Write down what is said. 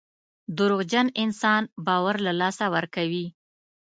دروغجن انسان باور له لاسه ورکوي.